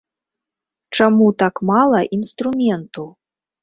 Чаму так мала інструменту?